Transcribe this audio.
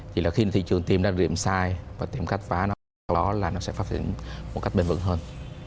chỉ là khi thị trường tìm ra điểm sai và tìm cách phá nó sau đó là nó sẽ phát triển một cách bền vững hơn